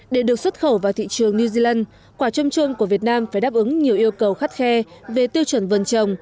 để được xuất khẩu vào thị trường new zealand quả trôm trôm của việt nam phải đáp ứng nhiều yêu cầu khắt khe về tiêu chuẩn vườn trồng